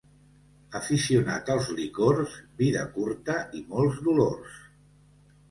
Aficionat als licors, vida curta i molts dolors.